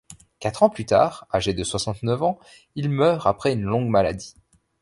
Quatre ans plus tard, âgé de soixante-neuf ans, il meurt après une longue maladie.